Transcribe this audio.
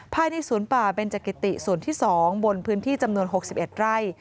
ภายในสวนป่าเบนจักิติส่วนที่๒บนพื้นที่จำนวน๖๑ไร่